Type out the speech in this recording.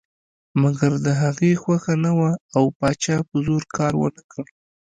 مګر د هغې خوښه نه وه او پاچا په زور کار ونه کړ.